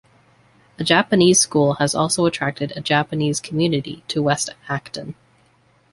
A Japanese school has also attracted a Japanese community to West Acton.